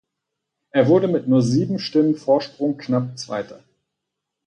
Er wurde mit nur sieben Stimmen Vorsprung knapp Zweiter.